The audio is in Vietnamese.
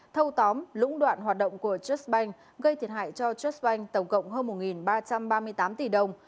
thâu tóm lũng đoạn hoạt động của chất bank gây thiệt hại cho chất bank tổng cộng hơn một ba trăm ba mươi tám tỷ đồng